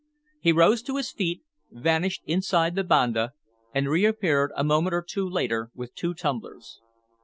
He rose to his feet, vanished inside the banda, and reappeared a moment or two later with two tumblers.